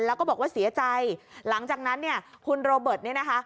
แล้วก็บอกว่าเสียใจหลังจากนั้นเนี่ยคุณโรเบิร์ตเนี่ยนะคะ